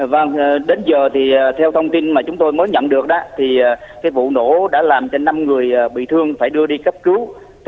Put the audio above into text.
vâng đến giờ thì theo thông tin mà chúng tôi mới nhận được vụ nổ đã làm cho năm người bị thương phải đưa đi cách cứu